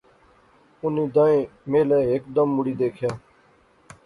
انیں دائیں میں لے ہیک دم مڑی دیکھیا